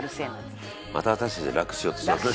「また私たちラクしようとしてますね」